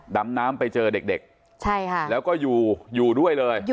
ดำน้ำไปเจอเด็กใช่ค่ะแล้วก็อยู่อยู่ด้วยเลย